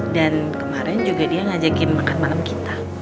dan kemarin juga dia ngajakin makan malam kita